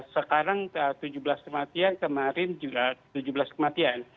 sekarang tujuh belas kematian kemarin juga tujuh belas kematian